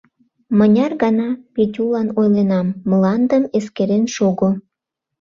Мыняр гана Петюлан ойленам: мландым эскерен шого.